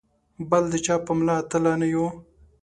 بل د چا په مله تله نه یو.